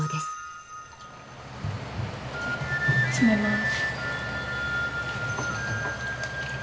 染めます。